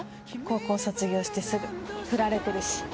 高校卒業してすぐフラれてるし。